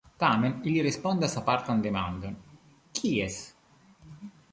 Tamen ili respondas apartan demandon: "kies?